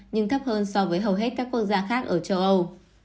nhưng thấp hơn so với hầu hết các quốc gia khác ở châu âu